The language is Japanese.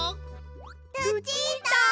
ルチータ！